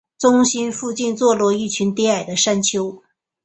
中心附近坐落了一群低矮的山丘。